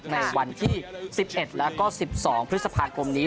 ในวันที่๑๑แล้วก็๑๒พฤษภาคมนี้